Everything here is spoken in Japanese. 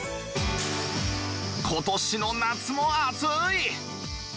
今年の夏も暑い！